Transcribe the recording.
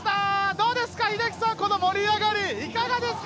どうですか、英樹さん、この盛り上がり、いかがですか？